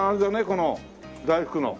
この大福の。